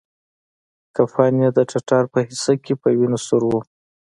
کفن يې د ټټر په حصه کښې په وينو سور و.